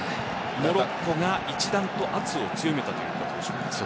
モロッコが一段と圧を強めたということでしょうか。